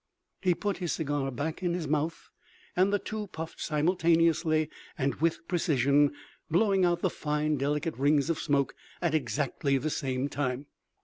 He put his cigar back in his mouth and the two puffed simultaneously and with precision, blowing out the fine, delicate rings of smoke at exactly the same time.